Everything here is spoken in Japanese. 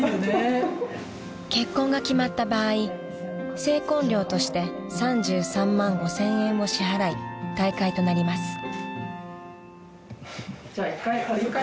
［結婚が決まった場合成婚料として３３万５，０００円を支払い退会となります］